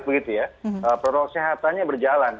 protokol kesehatannya berjalan